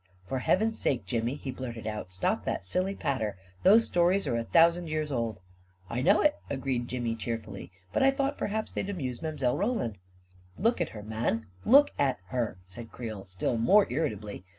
11 For heaven's sake, Jimmy, he blurted out, " stop that silly patter ! Those stories are a thou sand years old !" A KING IN BABYLON 223 11 1 know it," agreed Jimmy cheerfully; "but I thought perhaps they'd amuse Mile. Roland." "Look at her, man; look at her! " said Creel, still more irritably.